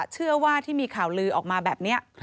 เชื่อว่าที่มีข่าวลือออกมาแบบนี้